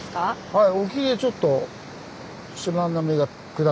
はい。